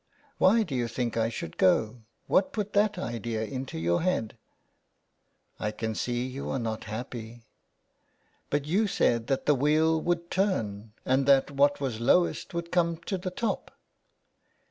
'' Why do you think I should go ? What put that idea into your head ?"'' I can see you are not happy." '^ But you said that the wheel would turn, and that what was lowest would come to the top."